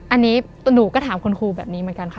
อันนี้หนูก็ถามคุณครูแบบนี้เหมือนกันค่ะ